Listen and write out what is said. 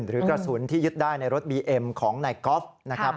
หรือกระสุนที่ยึดได้ในรถบีเอ็มของนายกอล์ฟนะครับ